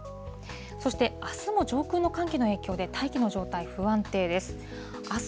そしてあすも上空の寒気の影響で、大気の状態、不安定です。